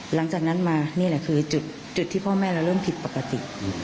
หลังจากนั้นมานี่แหละคือจุดที่พ่อแม่เราเริ่มผิดปกติ